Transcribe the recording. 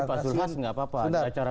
jadi pak sulhas nggak apa apa acara mula